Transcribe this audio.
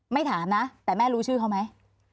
ถามนะแต่แม่รู้ชื่อเขาไหม